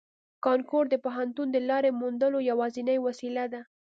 کانکور د پوهنتون د لارې موندلو یوازینۍ وسیله ده